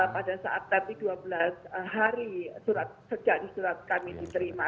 pada saat tadi dua belas hari sejak surat kami diterima